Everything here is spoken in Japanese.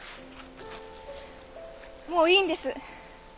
もういいんです。